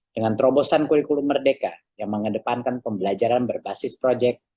dengan terobosan kurikulum merdeka yang mengedepankan pembelajaran berbasis proyek